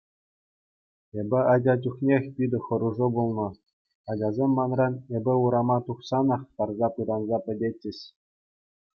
Эпӗ ача чухнех питӗ хӑрушӑ пулнӑ, ачасем манран эпӗ урама тухсанах тарса пытанса пӗтетчӗҫ.